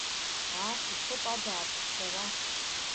Аа са соуп, абааԥс, сара!